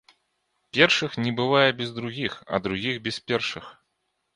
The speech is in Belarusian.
Першых не бывае без другіх, а другіх без першых.